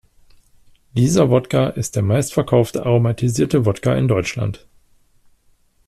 Dieser Wodka ist der meistverkaufte aromatisierte Wodka in Deutschland.